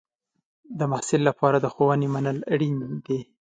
د محصل لپاره د ښوونې منل اړین دی.